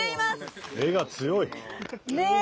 ねえ！